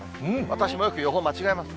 私もよく予報間違えます。